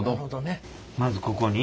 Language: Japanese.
まずここに？